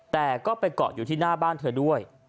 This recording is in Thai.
แต่ก็ไปเกาะอยู่ที่หน้าบ้านเธอด้วย